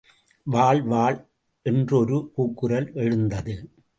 வாள் வாள் என்று ஒரு கூக்குரல் எழுந்தது.